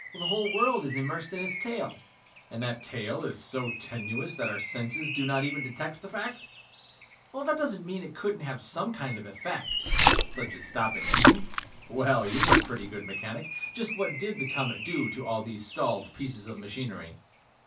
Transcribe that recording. "The whole world is immersed in its tail." "And that tail is so tenuous that our senses do not even detect the fact!" "That doesn't mean it couldn't have some kind of effect." "Such as stopping engines? Well, you're a pretty good mechanic. Just what did the comet do to all these stalled pieces of machinery?"